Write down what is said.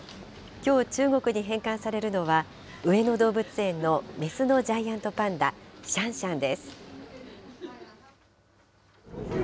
きょう、中国に返還されるのは、上野動物園の雌のジャイアントパンダ、シャンシャンです。